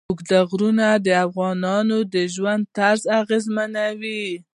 اوږده غرونه د افغانانو د ژوند طرز اغېزمنوي.